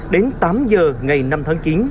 đến tám giờ ngày năm tháng chín